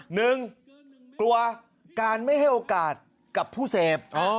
หนึ่งกลัวการไม่ให้โอกาสกับผู้เสพ